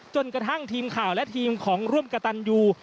จนกระทั่งทีมข่าวและทีมของร่วมกระตันยู